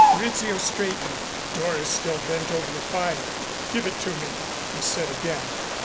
Rizzio straightened. Doris still bent over the fire. "Give it to me," he said again.